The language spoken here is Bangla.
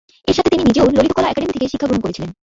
এর সাথে তিনি নিজেও ললিত কলা একাডেমী থেকে শিক্ষা গ্রহণ করেছিলেন।